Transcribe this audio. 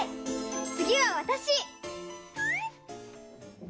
つぎはわたし！